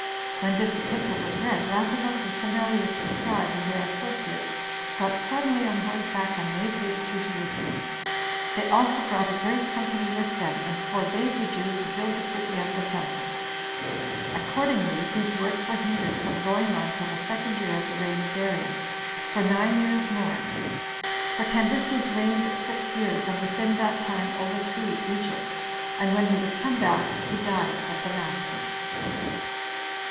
When this epistle was read, Rathumus, and Semellius the scribe, and their associates, got suddenly on horseback, and made haste to Jerusalem; they also brought a great company with them, and forbade the Jews to build the city and the temple. Accordingly, these works were hindered from going on till the second year of the reign of Darius, for nine years more; for Cambyses reigned six years, and within that time overthrew Egypt, and when he was come back, he died at Damascus.